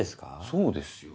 そうですよ。